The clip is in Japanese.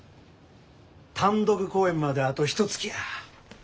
単独公演まであとひとつきや。